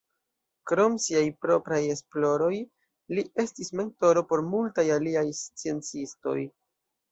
Krom siaj propraj esploroj, li estis mentoro por multaj aliaj sciencistoj.